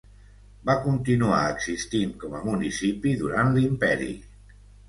Va continuar existint com a municipi durant l'imperi.